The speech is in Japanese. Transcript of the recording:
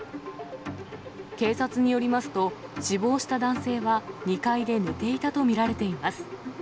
警察によりますと、死亡した男性は２階で寝ていたと見られています。